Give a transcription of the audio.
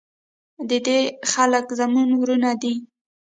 د دې خلک زموږ ورونه دي؟